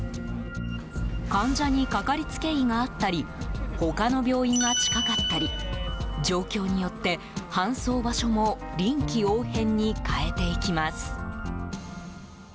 患者にかかりつけ医があったり他の病院が近かったり状況によって搬送場所も臨機応変に変えていきます。